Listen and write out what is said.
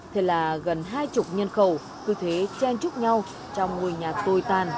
thế là gần hai chục nhân khẩu tư thế chan trúc nhau trong ngôi nhà tồi tàn